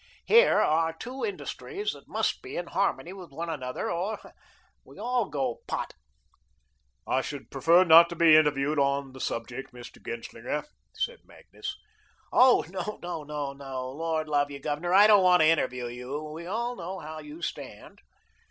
HERE are two industries that MUST be in harmony with one another, or we all go to pot." "I should prefer not to be interviewed on the subject, Mr. Genslinger," said Magnus. "Oh, no, oh, no. Lord love you, Governor, I don't want to interview you. We all know how you stand."